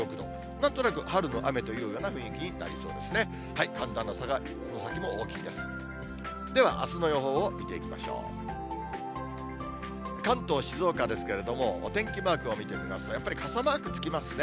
なんとなく春の雨というような雰囲気になりそうですね。